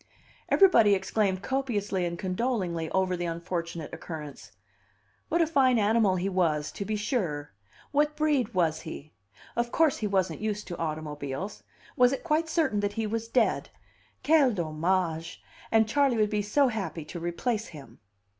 Everybody exclaimed copiously and condolingly over the unfortunate occurrence. What a fine animal he was, to be sure! What breed was he? Of course, he wasn't used to automobiles! Was it quite certain that he was dead? Quel dommage! And Charley would be so happy to replace him.